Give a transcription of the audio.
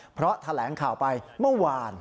เพราะแถลงข่าวไปเมื่อวาน